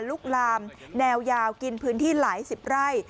ลุกลามแนวยาวกินพื้นที่หลายสิบไร่